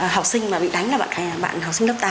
học sinh mà bị đánh là bạn học sinh lớp tám